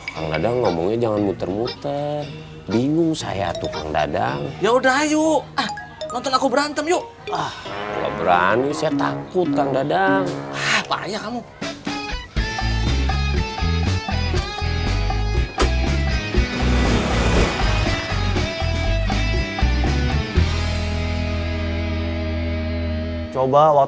sampai jumpa di video selanjutnya